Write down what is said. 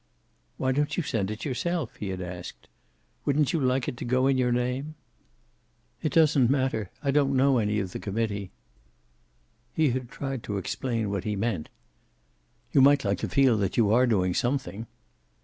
"Why don't you send it yourself?" he had asked. "Wouldn't you like it to go in your name?" "It doesn't matter. I don't know any of the committee." He had tried to explain what he meant. "You might like to feel that you are doing something."